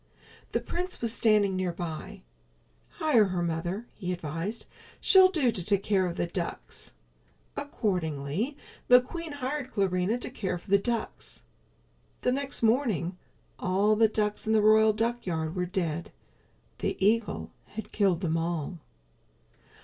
The prince was standing nearby. "Hire her, mother," he advised. "She'll do to take care of the ducks." Accordingly, the queen hired Clarinha to care for the ducks. The next morning all the ducks in the royal duckyard were dead. The eagle had killed them all.